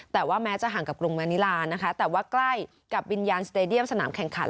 แต่ว่าแม้จะห่างกับกรุงแมนิลานะคะแต่ว่าใกล้กับวิญญาณสเตดียมสนามแข่งขัน